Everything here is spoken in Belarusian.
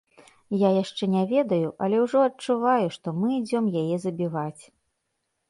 Я яшчэ не ведаю, але ўжо адчуваю, што мы ідзём яе забіваць.